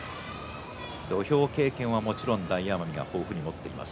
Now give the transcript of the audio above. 土俵経験は、もちろん大奄美は豊富に持っています